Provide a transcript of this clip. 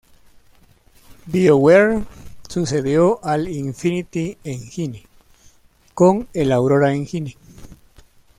BioWare sucedió al Infinity Engine con el Aurora Engine.